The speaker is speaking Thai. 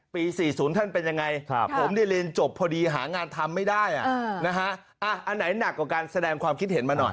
๔๐ท่านเป็นยังไงผมได้เรียนจบพอดีหางานทำไม่ได้อันไหนหนักกว่าการแสดงความคิดเห็นมาหน่อย